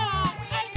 はい！